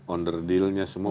under dealnya semua